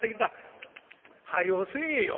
「はようせえよ。